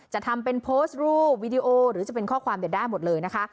จะทำเป็นโพสต์รูปวิดีโอหรือจะเป็นข้อความได้หมดเลยนะคะ